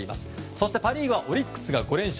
そしてパ・リーグはオリックスが４連勝。